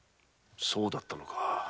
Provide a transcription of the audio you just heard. そうだったのか。